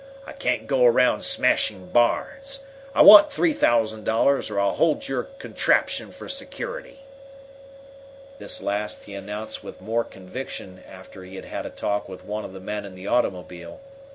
I can't go around smashing barns. I want three thousand dollars, or I'll hold your contraption for security." This last he announced with more conviction after he had had a talk with one of the men in the automobile.